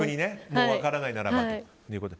もう分からないならと。